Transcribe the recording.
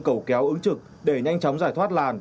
cầu kéo ứng trực để nhanh chóng giải thoát làn